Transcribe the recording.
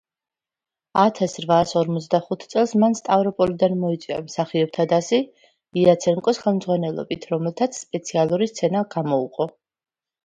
ათას რვაასორმოცდახუთი წელს მან სტავროპოლიდან მოიწვია მსახიობთა დასი იაცენკოს ხელმძღვანელობით, რომელთაც სპეციალური სცენა გამოუყო.